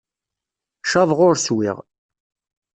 Caḍeɣ ur swiɣ.